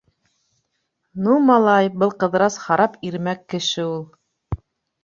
— Ну, малай, был Ҡыҙырас харап ирмәк кеше ул.